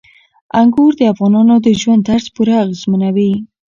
انګور د افغانانو د ژوند طرز پوره اغېزمنوي.